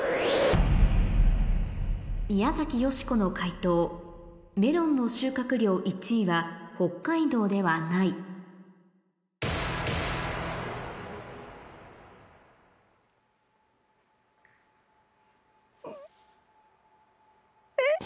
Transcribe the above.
宮崎美子の解答メロンの収穫量１位は北海道ではないえっ？